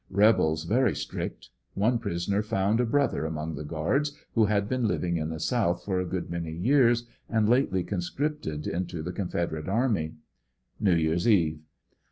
Rebels very strict. One prisoner found a brother among the guards who had been living in the south for a good many years and lately conscript ed into the Confederate army. New Year's eve.